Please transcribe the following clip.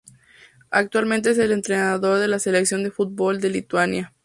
Actualmente es el en entrenador de la selección de fútbol de Lituania.